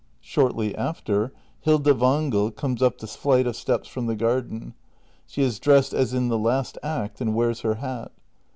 Shortly after, Hilda Wangel comes up tJie flight of steps from the garden. She is dressed as in the last act, and wears her hat.